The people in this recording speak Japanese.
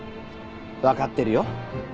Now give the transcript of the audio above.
わかってるよ。